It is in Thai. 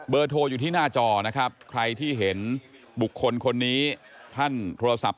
โทรอยู่ที่หน้าจอนะครับใครที่เห็นบุคคลคนนี้ท่านโทรศัพท์